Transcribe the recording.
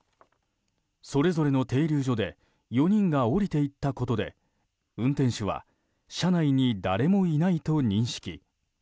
それぞれの停留所で４人が降りていったことで運転手は車内に誰もいないと認識。